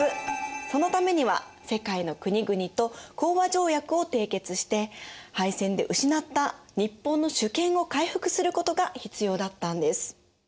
そのためには世界の国々と講和条約を締結して敗戦で失った日本の主権を回復することが必要だったんです。